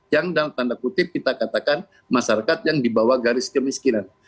yang dalam tanda kutip kita katakan masyarakat yang di bawah garis kemiskinan